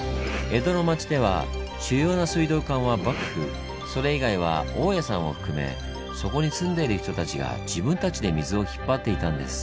江戸の町では主要な水道管は幕府それ以外は大家さんを含めそこに住んでいる人たちが自分たちで水を引っ張っていたんです。